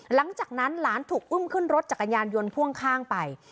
หลังจากนั้นหลานถูกอุ้มขึ้นรถจักรยานยนต์พ่วงข้างไป